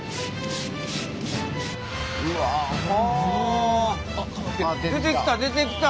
うわ。出てきた出てきた！